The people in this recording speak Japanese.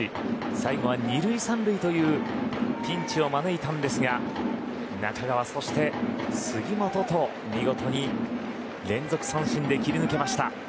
最後は２塁３塁というピンチを招いたんですが中川そして杉本と見事に連続三振で切り抜けました。